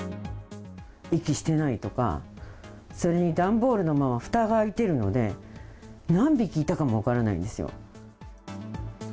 息してないとか、それに段ボールのふたが開いてるので、何匹いたかも分からないんですよ。